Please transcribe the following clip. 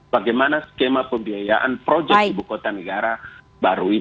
bagaimana skema pembiayaan proyek ibu kota negara